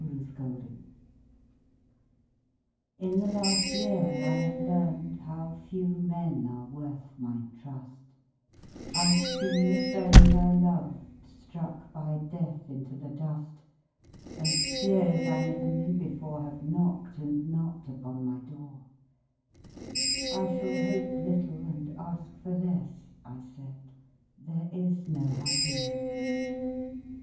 Red Maples In the last year I have learned How few men are worth my trust; I have seen the friend I loved Struck by death into the dust, And fears I never knew before Have knocked and knocked upon my door "I shall hope little and ask for less," I said, "There is no happiness."